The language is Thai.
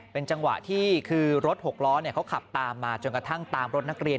เป็นจังหวะที่คือรถหกล้อเขาขับตามมาจนกระทั่งตามรถนักเรียน